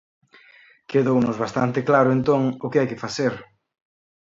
Quedounos bastante claro, entón, o que hai que facer.